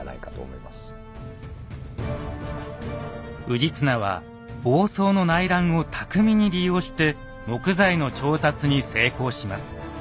氏綱は房総の内乱を巧みに利用して木材の調達に成功します。